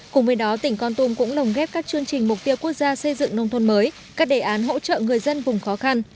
cùng với đó tỉnh con tum cũng lồng ghép các chương trình mục tiêu quốc gia xây dựng nông thôn mới các đề án hỗ trợ người dân vùng khó khăn